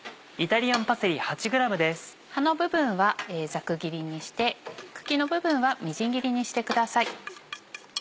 葉の部分はざく切りにして茎の部分はみじん切りにしてください。